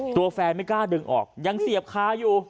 ตัวแฟนไม่กล้าดึงออกยังเสียบคาอยู่